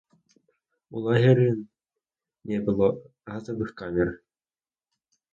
У лагеры не было газавых камер.